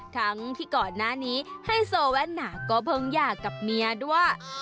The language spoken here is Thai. ทั้งที่ก่อนหน้านี้ไฮโซแว่นหนาก็เพิ่งหย่ากับเมียด้วย